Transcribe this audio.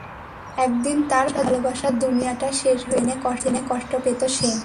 একদিন তার ভালোবাসার দুনিয়াটা শেষ হয়ে যাবে জেনে কষ্ট পেত সে।